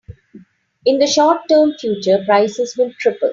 In the short term future, prices will triple.